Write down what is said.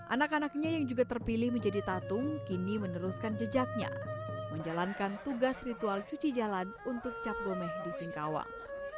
anak anaknya yang juga terpilih menjadi tatung kini meneruskan jejaknya menjalankan tugas ritual cuci jalan untuk cap gomeh di singkawang